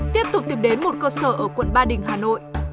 tiếp tục tìm đến một cơ sở ở quận ba đình hà nội